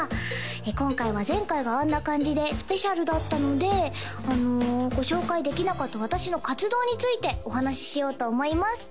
今回は前回があんな感じでスペシャルだったのでご紹介できなかった私の活動についてお話ししようと思います